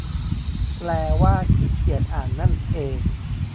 แปลว่าขี้เกียจอ่านนั่นเอง